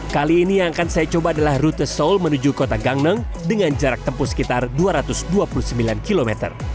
kali ini yang akan saya coba adalah rute seoul menuju kota gangneng dengan jarak tempuh sekitar dua ratus dua puluh sembilan km